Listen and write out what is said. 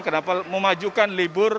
kenapa memajukan libur